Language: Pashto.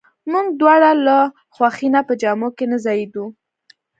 موږ دواړه له خوښۍ نه په جامو کې نه ځایېدو.